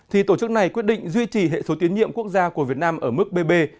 thì tổ chức này quyết định duy trì hệ số tiến nhiệm quốc gia của việt nam ở mức bb